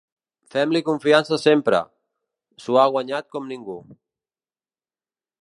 Fem-li confiança sempre, s’ho ha guanyat com ningú.